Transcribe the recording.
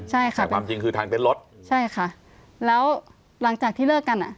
ใช่ค่ะแต่ความจริงคือทางเต้นรถใช่ค่ะแล้วหลังจากที่เลิกกันอ่ะ